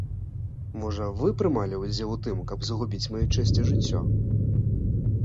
Можа, вы прымалі ўдзел у тым, каб загубіць маю чэсць і жыццё?